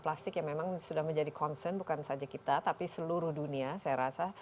plastik yang memang sudah menjadi concern bukan saja kita tapi seluruh dunia saya rasa